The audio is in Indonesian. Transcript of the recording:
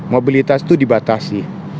mobilitas itu dibatasi